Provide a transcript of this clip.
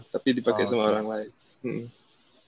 tapi dipakai sama orang lain